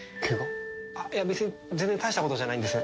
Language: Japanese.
あっいや別に全然大したことじゃないんです。